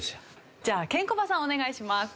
じゃあケンコバさんお願いします。